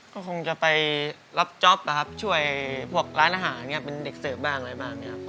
ก็คงจะไปรับจ๊อปนะครับ